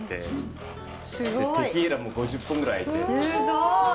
すごい。